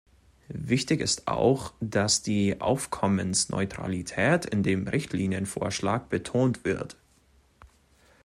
Wichtig ist auch, dass die Aufkommensneutralität in dem Richtlinienvorschlag betont wird.